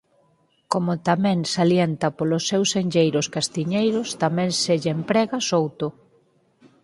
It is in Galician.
Como tamén salienta polos seus senlleiros castiñeiros tamén se lle emprega "souto".